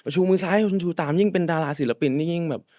ชูมือซ้ายคุณชูตามยิ่งเป็นดาราศิลปินนี่ยิ่งแบบ